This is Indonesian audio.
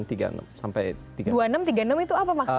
dua puluh enam tiga puluh enam itu apa maksudnya